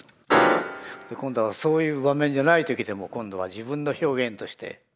今度はそういう場面じゃない時でも今度は自分の表現として。